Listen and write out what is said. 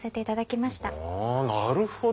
なるほど。